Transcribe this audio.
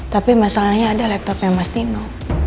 tapi masalahnya ada laptopnya mas dino